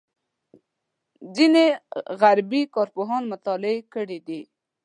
ځینو غربي کارپوهانو مطالعې کړې دي.